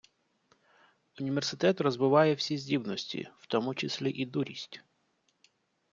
Університет розвиває всі здібності, в тому числі і дурість.